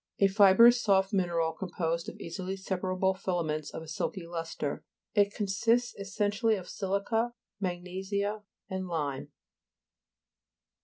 A fibrous soft mineral, composed of easily separable filaments of a silky lustre. It consists essentially of si'lica, mag nesia and lime.